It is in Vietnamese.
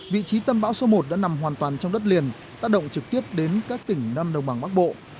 vị trí tâm bão số một đã nằm hoàn toàn trong đất liền tác động trực tiếp đến các tỉnh nam đồng bằng bắc bộ